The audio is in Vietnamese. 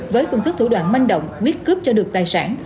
với phương thức thủ đoạn manh động quyết cướp cho được tài sản